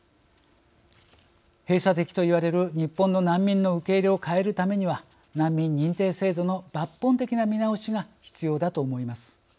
閉鎖的と言われる日本の難民の受け入れを変えるためには難民認定制度の抜本的な見直しが必要だと思います。